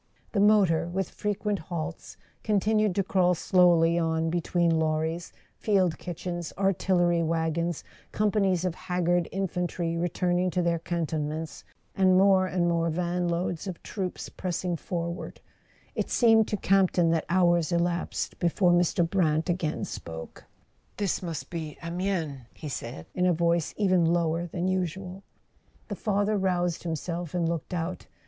The motor, with frequent halts, continued to crawl slowly on between lorries, field kitchens, artillery wagons, companies of haggard infantry returning to their cantonments, and more and more vanloads of troops pressing forward; it seemed to Campton that hours elapsed before Mr. Brant again spoke. "This must be Amiens," he said, in a voice even lower than usual. The father roused himself and looked out.